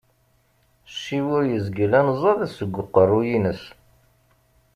Ccib ur yezgil anẓad seg uqqeru-ines.